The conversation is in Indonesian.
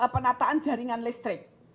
penataan jaringan listrik